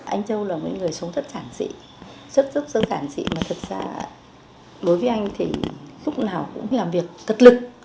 anh châu là một người sống rất sản dị rất rất sản dị mà thật ra bối với anh thì lúc nào cũng làm việc tật lực